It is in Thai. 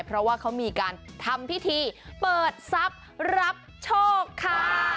เพราะว่าเขามีการทำพิธีเปิดทรัพย์รับโชคค่ะ